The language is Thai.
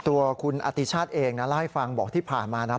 ตัวคุณอติชาติเองนะเล่าให้ฟังบอกที่ผ่านมานะ